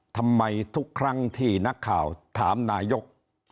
ทำไมทุกครั้งที่นักข่าวถามนายก